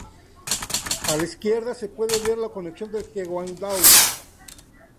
A la izquierda se puede ver la conexión al Gewandhaus.